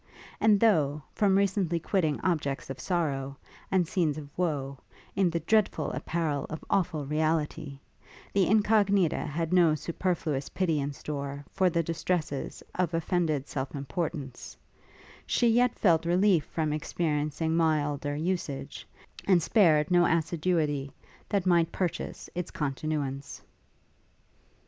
And though, from recently quitting objects of sorrow, and scenes of woe, in the dreadful apparel of awful reality, the Incognita had no superfluous pity in store for the distresses of offended self importance, she yet felt relief from experiencing milder usage, and spared no assiduity that might purchase its continuance.